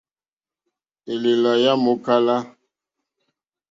Élèlà yá mòkálá.